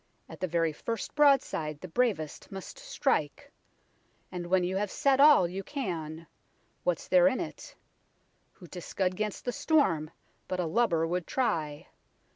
At the very first broadside the bravest must strike. And when you have said all you can, what's there in it ? Who to scud 'gainst the storm but a lubber would try